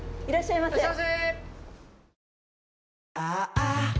いらっしゃいませ！